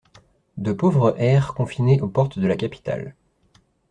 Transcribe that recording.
De pauvres hères confinés aux portes de la capitale